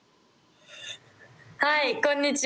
はいこんにちは。